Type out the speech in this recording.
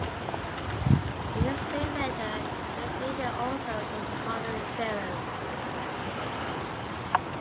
In the same letter he stated also the following theorem.